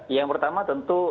yang pertama tentu